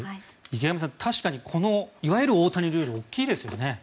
池上さん、確かにこのいわゆる大谷ルール大きいですよね。